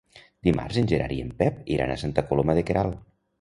Dimarts en Gerard i en Pep iran a Santa Coloma de Queralt.